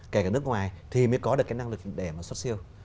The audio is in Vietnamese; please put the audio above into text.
kể cả nước ngoài thì mới có được cái năng lực để mà xuất siêu